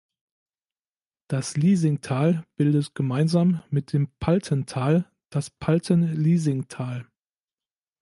Das Liesingtal bildet gemeinsam mit dem Paltental das Palten-Liesing-Tal.